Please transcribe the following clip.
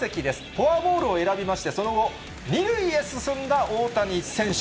フォアボールを選びまして、その後、２塁へ進んだ大谷選手。